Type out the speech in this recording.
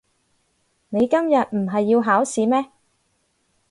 你今日唔係要考試咩？